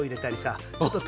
ちょっと